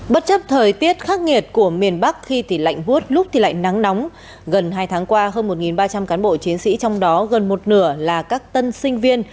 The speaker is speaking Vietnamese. bất chấp thời tiết khắc nghiệt của miền bắc khi thì lạnh vuốt lúc thì lại nắng nóng gần hai tháng qua hơn một ba trăm linh cán bộ chiến sĩ trong đó gần một nửa là các tân sinh viên